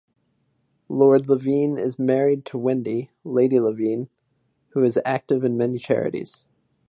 Lord Levene is married to Wendy, Lady Levene, who is active in many charities.